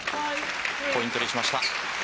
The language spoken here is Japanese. ポイントにしました。